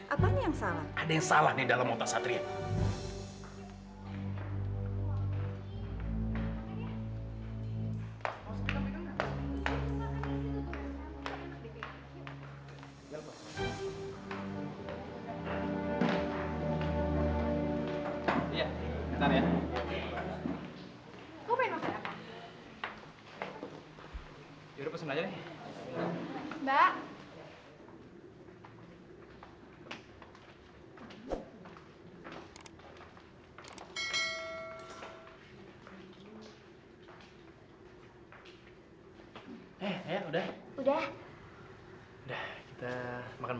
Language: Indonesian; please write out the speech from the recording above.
aku jadi gak ada apa makan